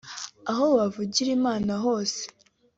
Aho wavugira Imana hose